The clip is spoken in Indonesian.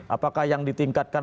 apakah yang ditingkatkan